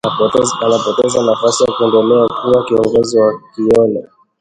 Anapoteza nafasi ya kuendelea kuwa kiongozi wa Konyole